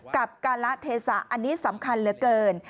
กับการละเทศะอันนี้สำคัญเหลือเกิน